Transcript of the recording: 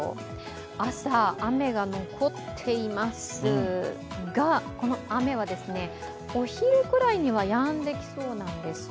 朝、雨が残っていますがこの雨はお昼ぐらいにはやんできそうなんです。